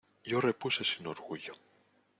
yo repuse sin orgullo: